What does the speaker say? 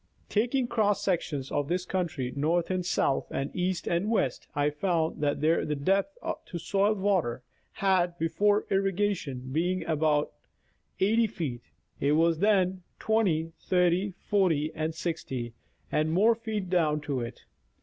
Taking cross sec tions of this country, north and south and east and west, I found that where the depth to soil water had, before irrigation, been about 80 feet, it was then 20, 30, 40 or 60 and more feet down to it.